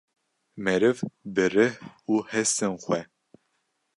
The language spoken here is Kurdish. Meriv bi rih û hestin xwe